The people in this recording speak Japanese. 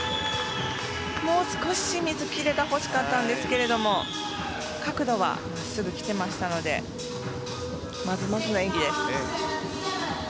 もう少し水切れが欲しかったんですけど角度は真っすぐ来ていましたのでまずまずの演技です。